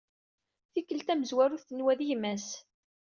Tikkelt tamenzut tenwa d gma-s.